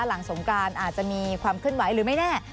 หลังสงการอาจจะมีความขึ้นไหวหรือไม่แน่